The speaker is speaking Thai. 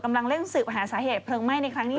กำลังเร่งสืบหาสาเหตุเพลิงไหม้ในครั้งนี้